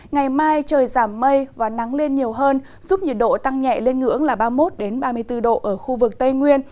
ngày mai trời giảm mây và nắng lên nhiều hơn giúp nhiệt độ tăng nhẹ lên ngưỡng là ba mươi một ba mươi bốn độ ở khu vực tây nguyên